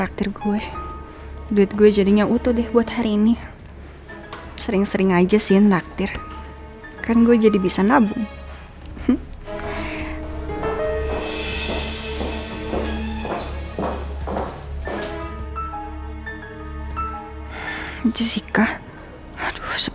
assalamualaikum warahmatullah wabarakatuh